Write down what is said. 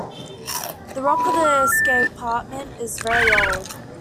The rock of the escarpment is very old.